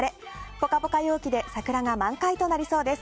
ポカポカ陽気で桜が満開となりそうです。